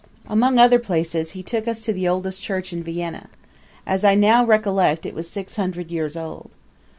Among other places, he took us to the oldest church in Vienna. As I now recollect it was six hundred years old.